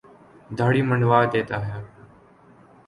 داڑھی منڈوا دیتا ہے۔